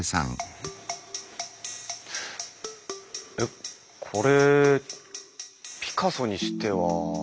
えっこれピカソにしては。